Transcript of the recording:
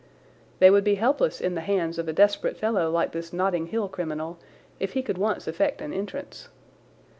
They would be helpless in the hands of a desperate fellow like this Notting Hill criminal if he could once effect an entrance.